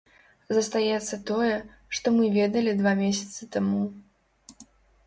Застаецца тое, што мы ведалі два месяцы таму.